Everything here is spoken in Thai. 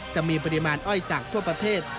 จะมีปริมาณอ้อยจากทั่วประเทศ